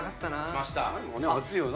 熱いよな。